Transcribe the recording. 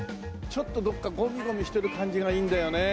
ちょっとどこかごみごみしてる感じがいいんだよね。